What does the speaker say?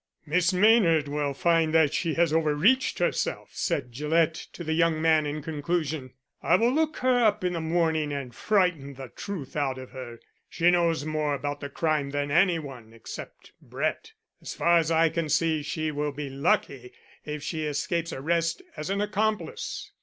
"Miss Maynard will find that she has over reached herself," said Gillett to the young man in conclusion. "I will look her up in the morning and frighten the truth out of her. She knows more about the crime than any one except Brett. As far as I can see she will be lucky if she escapes arrest as an accomplice."